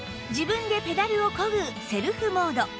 自分でペダルをこぐセルフモード